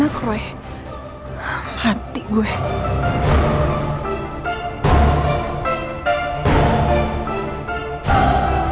jadi saya gak mau basa basi